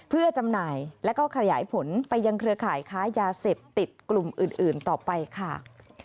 เพื่อจำหน่ายแล้วก็ขยายผลไปยังเครือข่ายค้ายาเสพติดกลุ่มอื่นต่อไปค่ะ